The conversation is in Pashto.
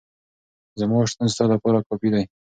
زما شتون ستا لپاره کافي دی.